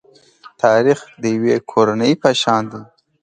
تاریخ د یوې کورنۍ په شان دی.